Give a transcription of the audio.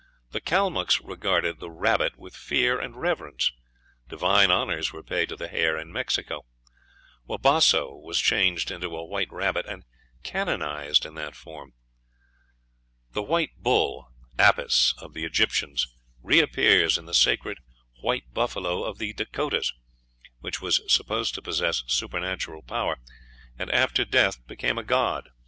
The Calmucks regarded the rabbit with fear and reverence. Divine honors were paid to the hare in Mexico. Wabasso was changed into a white rabbit, and canonized in that form. The white bull, Apis, of the Egyptians, reappears in the Sacred white buffalo of the Dakotas, which was supposed to possess supernatural power, and after death became a god.